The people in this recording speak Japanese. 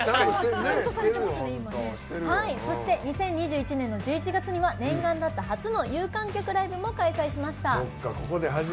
そして２０２１年の１１月には念願だった初の有観客ライブを開催しました。